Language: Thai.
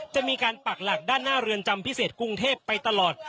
จะมีการปักหลักด้านหน้าเรือนจำพิเศษกรุงเทพไปตลอด